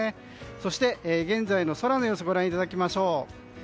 そして、現在の空の様子ご覧いただきましょう。